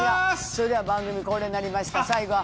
それでは番組恒例になりました最後は。